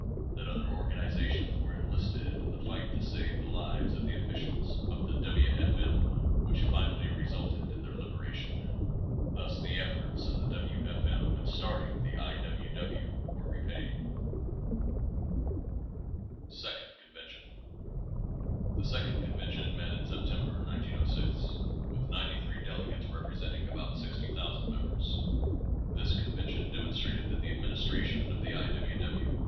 that other organizations were enlisted in the fight to save the lives of the officials of the W. F. M. which finally resulted in their liberation. Thus the ef forts of the W. F. M. in starting the I. W. W. were re paid.* Second Convention The Second convention met in September, 1906, with 93 delegates representing about 60,000 members. This convention demonstrated that the administra tion of the I. W. W.